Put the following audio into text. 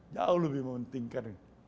jauh lebih mementingkan